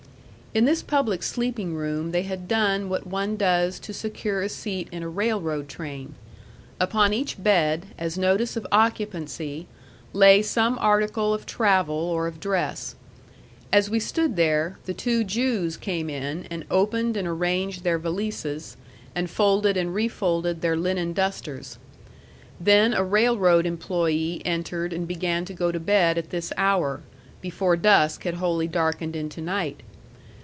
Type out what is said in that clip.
In this public sleeping room they had done what one does to secure a seat in a railroad train. Upon each bed, as notice of occupancy, lay some article of travel or of dress. As we stood there, the two Jews came in and opened and arranged their valises, and folded and refolded their linen dusters. Then a railroad employee entered and began to go to bed at this hour, before dusk had wholly darkened into night.